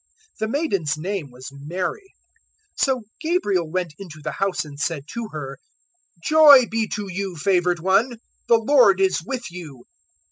The maiden's name was Mary. 001:028 So Gabriel went into the house and said to her, "Joy be to you, favoured one! the Lord is with you."